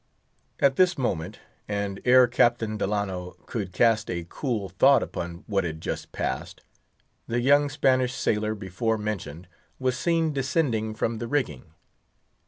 At this moment, and ere Captain Delano could cast a cool thought upon what had just passed, the young Spanish sailor, before mentioned, was seen descending from the rigging.